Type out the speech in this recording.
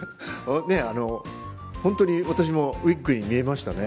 本当に私もウイッグに見えましたね。